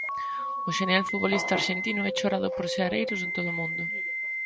O xenial futbolista arxentino é chorado por seareiros en todo o mundo.